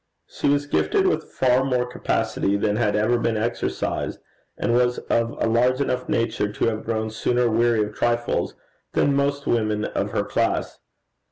She was gifted with far more capacity than had ever been exercised, and was of a large enough nature to have grown sooner weary of trifles than most women of her class.